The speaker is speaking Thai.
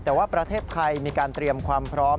แต่ว่าประเทศไทยมีการเตรียมความพร้อม